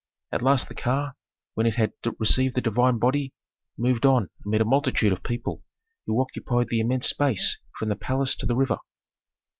At last the car, when it had received the divine body, moved on amid a multitude of people who occupied the immense space from the palace to the river.